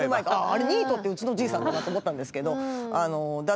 あれニートってうちのじいさんだなって思ったんですけどだったりとか